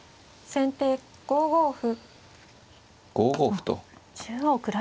先手３五歩。